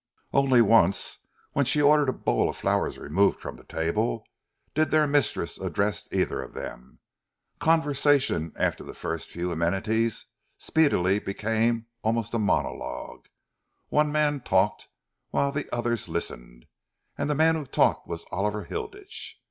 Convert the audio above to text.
Only once, when she ordered a bowl of flowers removed from the table, did their mistress address either of them. Conversation after the first few amenities speedily became almost a monologue. One man talked whilst the others listened, and the man who talked was Oliver Hilditch.